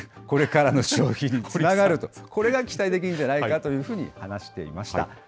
これからの消費につながると、これが期待できるんじゃないかというふうに話していました。